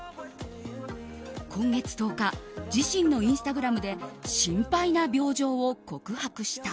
今月１０日自身のインスタグラムで心配な病状を告白した。